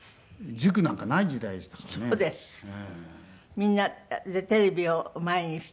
みんなでテレビを前にして。